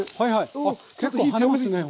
あっ結構跳ねますね